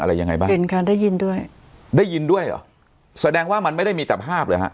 อะไรยังไงบ้างเห็นค่ะได้ยินด้วยได้ยินด้วยเหรอแสดงว่ามันไม่ได้มีแต่ภาพเลยฮะ